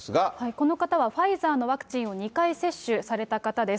この方はファイザーのワクチンを２回接種された方です。